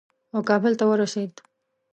او کابل ته ورسېد.